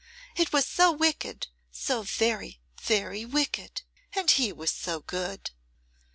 It was so wicked, so very, very wicked; and he was so good.